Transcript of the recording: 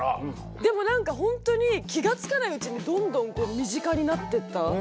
でも何かほんとに気が付かないうちにどんどんこう身近になってったイメージ。